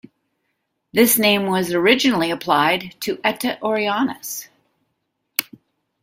This name was originally applied to Eta Orionis.